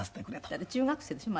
だって中学生でしょ？